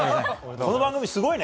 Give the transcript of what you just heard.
この番組、すごいね。